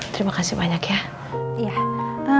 terima kasih banyak ya